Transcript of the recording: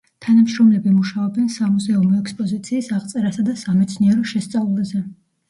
თანამშრომლები მუშაობენ სამუზეუმო ექსპოზიციის აღწერასა და სამეცნიერო შესწავლაზე.